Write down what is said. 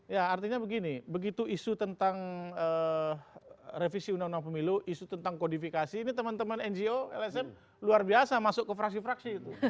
ya artinya begini begitu isu tentang revisi undang undang pemilu isu tentang kodifikasi ini teman teman ngo lsm luar biasa masuk ke fraksi fraksi itu